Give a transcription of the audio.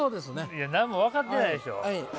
いや何も分かってないでしょ。